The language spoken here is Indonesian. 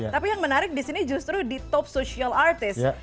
tapi yang menarik disini justru di top social artist